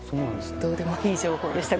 どうでもいい情報でした。